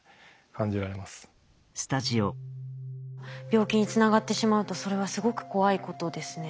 病気につながってしまうとそれはすごく怖いことですね。